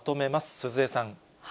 鈴江さん。